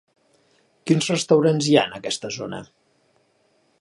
Quins restaurants hi ha en aquesta zona?